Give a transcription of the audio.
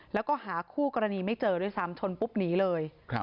แล้วก็หาคู่กรณีไม่เจอด้วยซ้ำชนปุ๊บหนีเลย